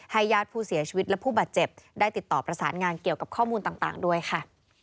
ญาติผู้เสียชีวิตและผู้บาดเจ็บได้ติดต่อประสานงานเกี่ยวกับข้อมูลต่างด้วยค่ะ